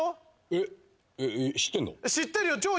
えっ知ってんの？